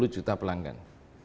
tujuh puluh juta pelanggan